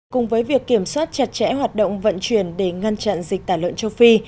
cùng với việc kiểm soát chặt chẽ hoạt động vận chuyển để ngăn chặn dịch tả lợn châu phi